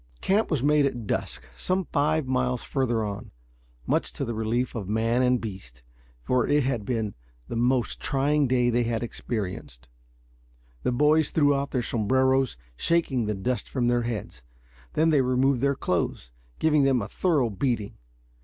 Camp was made at dusk, some five miles further on, much to the relief of man and beast, for it had been the most trying day they had experienced. The boys threw off their sombreros, shaking the dust from their heads. They then removed their clothes, giving them a thorough beating.